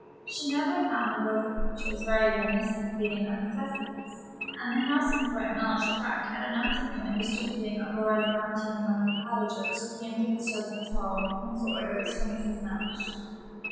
She never found the worthy creatures very remiss in stating their necessities, and the housekeeper at Mellish Park had enough to do in distributing Aurora's bounties among the cottagers who came to the servants' hall with pencil orders from Mrs. Mellish.